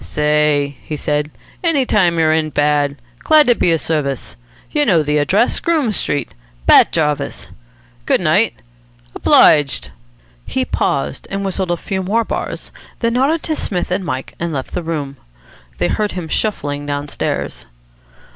"Say!" he said. "Any time you're in bad. Glad to be of service. You know the address. Groome Street. Bat Jarvis. Good night. Obliged." He paused and whistled a few more bars, then nodded to Psmith and Mike, and left the room. They heard him shuffling downstairs.